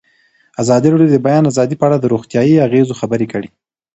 ازادي راډیو د د بیان آزادي په اړه د روغتیایي اغېزو خبره کړې.